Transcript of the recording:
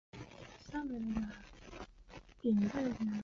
这样求那么久